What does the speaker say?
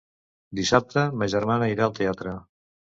Dissabte ma germana irà al teatre.